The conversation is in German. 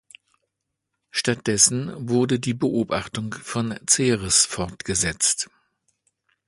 Statt dessen wurde die Beobachtung von Ceres fortgesetzt.